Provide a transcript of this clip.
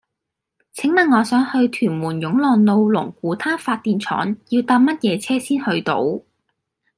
請問我想去屯門湧浪路龍鼓灘發電廠要搭乜嘢車先去到